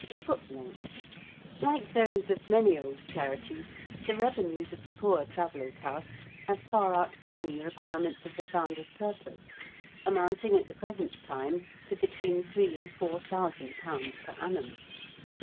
Like those of many old cliarities, the revenues of the Poor Travellers' House have far outgrown the require ments of the founder's purpose, amounting at the present time to between three and four thousand pounds per annum.